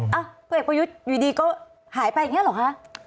พลเอกประยุทธ์อยู่ดีก็หายไปอย่างนี้หรอคะ